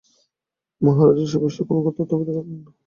মহারাজও সে বিষয়ে কোন কথা উত্থাপিত করিলেন না।